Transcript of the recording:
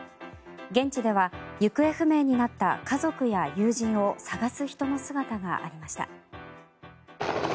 現地では行方不明になった家族や友人を捜す人の姿がありました。